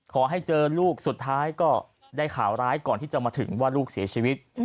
ขอให้เจอลูกสุดท้ายก็ได้ข่าวร้ายก่อนที่จะมาถึงว่าลูกเสียชีวิต